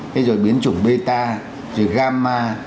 thế rồi biến chủng beta rồi gamma